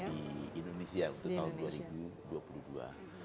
di indonesia untuk tahun dua ribu dua puluh dua